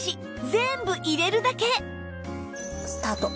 全部入れるだけ！スタート。